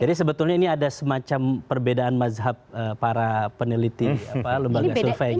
jadi ini ada semacam perbedaan mazhab para peneliti lembaga survei gitu ya